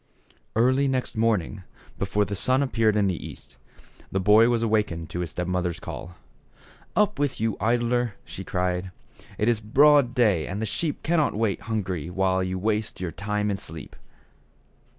Early next morning, before the sun appeared in the east, the boy was awakened by his step mother's call. "Up with you, idler," she cried, "it is broad day and the sheep cannot wait hungry while you waste your time in sleep."